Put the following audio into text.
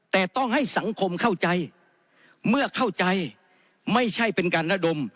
แต่ต้องให้สังคมเข้าใจเมื่อเข้าใจไม่ใช่เป็นการระดม